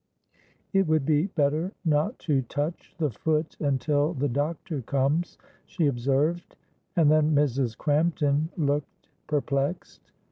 "It would be better not to touch the foot until the doctor comes," she observed. And then Mrs. Crampton looked perplexed.